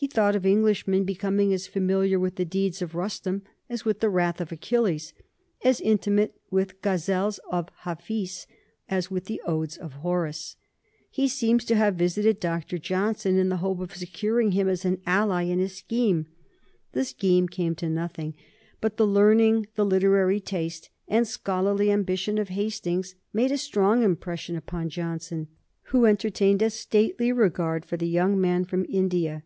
He thought of Englishmen becoming as familiar with the deeds of Rustum as with the wrath of Achilles, as intimate with the Ghazels of Hafiz as with the Odes of Horace. He seems to have visited Dr. Johnson in the hope of securing him as an ally in his scheme. The scheme came to nothing, but the learning, the literary taste, and scholarly ambition of Hastings made a strong impression upon Johnson, who entertained a stately regard for the young man from India.